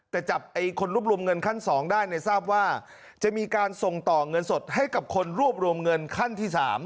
แต่จับคนรวบรวมเงินขั้น๒ได้ทราบว่าจะมีการส่งต่อเงินสดให้กับคนรวบรวมเงินขั้นที่๓